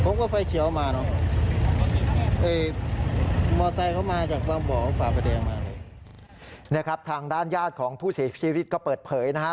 นี่ครับทางด้านญาติของผู้เสียชีวิตก็เปิดเผยนะฮะ